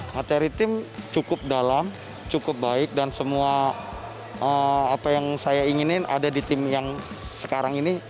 materi tim cukup dalam cukup baik dan semua apa yang saya inginin ada di tim yang sekarang ini